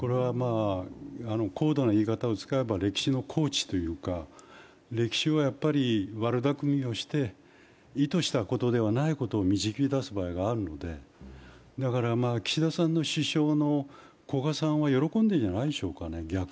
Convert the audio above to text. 高度な言い方を使えば歴史の巧緻というか歴史は悪だくみをして、意図したことではないことを導き出す場合があるのでだから岸田さんの師匠の古賀さんは逆に喜んでいるんじゃないですかね。